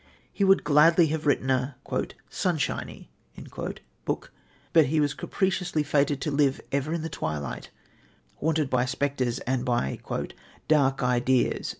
He would gladly have written a "sunshiny" book, but was capriciously fated to live ever in the twilight, haunted by spectres and by "dark ideas."